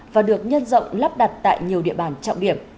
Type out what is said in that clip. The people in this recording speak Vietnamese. và được nhân rộng lắp đặt tại nhiều địa bàn trọng điểm